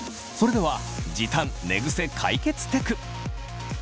それでは時短寝ぐせ解決テク！